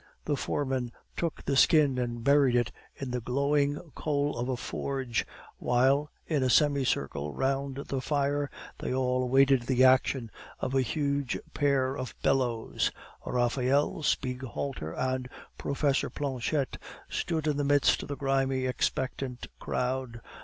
The foreman took the skin and buried it in the glowing coal of a forge, while, in a semi circle round the fire, they all awaited the action of a huge pair of bellows. Raphael, Spieghalter, and Professor Planchette stood in the midst of the grimy expectant crowd.